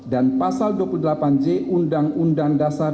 dan pasal dua puluh delapan j undang undang dasar